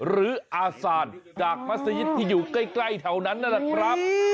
หรืออาศาลจากพระสนิทที่อยู่ใกล้เท่านั้นนั่นล่ะพระ